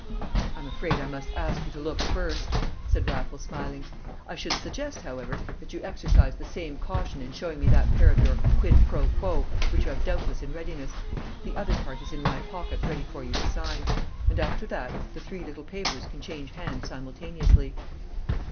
"I'm afraid I must ask you to look first," said Raffles, smiling. "I should suggest, however, that you exercise the same caution in showing me that part of your quid pro quo which you have doubtless in readiness; the other part is in my pocket ready for you to sign; and after that, the three little papers can change hands simultaneously."